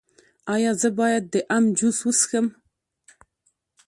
ایا زه باید د ام جوس وڅښم؟